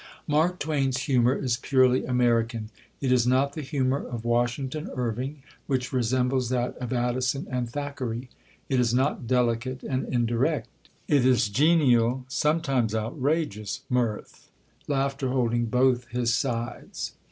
Mark Twain's humour is purely American. It is not the humour of Washington Irving, which resembles that of Addison and Thackeray; it is not delicate and indirect. It is genial, sometimes outrageous, mirth laughter holding both his sides.